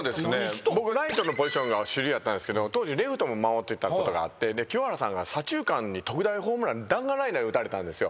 僕ライトのポジションが主流やったんですけど当時レフトも守ってたことがあって清原さんが左中間に特大ホームラン弾丸ライナー打たれたんですよ。